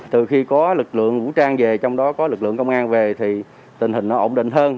từ khi có lực lượng vũ trang về trong đó có lực lượng công an về thì tình hình nó ổn định hơn